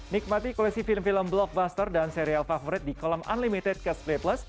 nikmati koleksi film film blockbuster dan serial favorit di kolam unlimited catch play plus